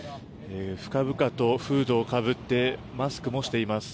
深々とフードをかぶってマスクもしています。